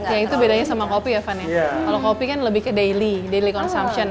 ya itu bedanya sama kopi ya van ya kalau kopi kan lebih ke daily daily consumption